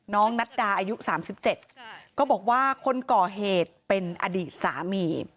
น้องนัดดาอายุ๓๗ก็บอกว่าคนก่อเหตุเป็นอดีตสามี